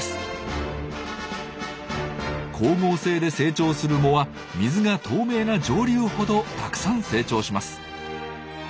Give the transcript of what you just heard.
光合成で成長する藻は水が透明な上流ほどたくさん成長します。